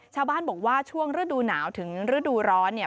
ชาวบ้านบอกว่าช่วงฤดูหนาวถึงฤดูร้อนเนี่ย